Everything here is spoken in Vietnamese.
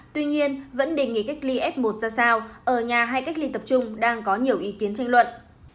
tuy nhiên vẫn đề nghị cách ly f một ra sao ở nhà hay cách ly tập trung đang có nhiều ý kiến tranh luận